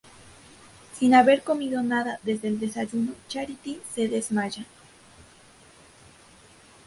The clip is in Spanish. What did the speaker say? Sin haber comido nada desde el desayuno, Charity se desmaya.